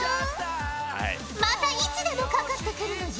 またいつでもかかって来るのじゃ！